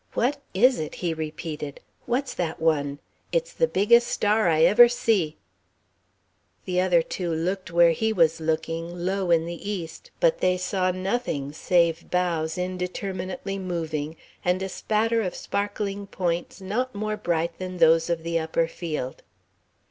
"What is it?" he repeated, "what's that one? It's the biggest star I ever see " The other two looked where he was looking, low in the east. But they saw nothing save boughs indeterminately moving and a spatter of sparkling points not more bright than those of the upper field.